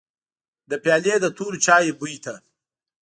له پيالې د تورو چايو بوی ته.